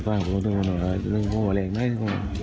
ความก้าวเขาโดยถูกยิ้มเนื่องเกิน